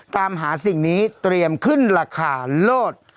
ตามหาสิ่งนี้เตรียมขึ้นราคาโลด